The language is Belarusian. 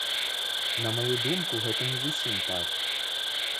На маю думку, гэта не зусім так.